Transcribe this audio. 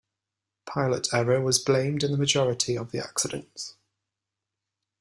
Pilot error was blamed in a majority of the accidents.